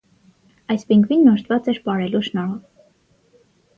Այս պինգվինն օժտված էր պարելու շնորհով։